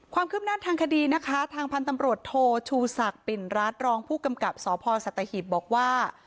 ความคืบหน้าทางคดีนะคะทางพันธ์ตำรวจโทชูศักดิ์ปิ่นรัฐรองผู้กำกับสพสัตหิบบอกว่า